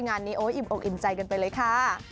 งานนี้อิ่มออกอินใจกันไปเลยค่ะ